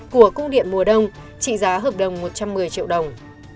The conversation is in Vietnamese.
của cung điện mùa đông trị giá hợp đồng một trăm một mươi triệu đồng